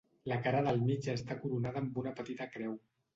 La cara del mig està coronada amb una petita creu.